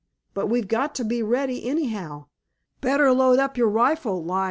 But we've got to be ready anyhow. Better load up your rifle, Lige."